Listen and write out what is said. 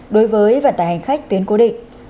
đối với vận tải hành khách tiến cố định